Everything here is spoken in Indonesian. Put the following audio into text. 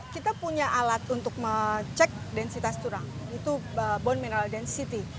kita punya alat untuk mecek densitas tulang itu bone mineral density